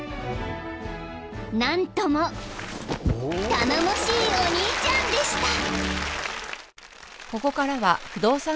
［何とも頼もしいお兄ちゃんでした］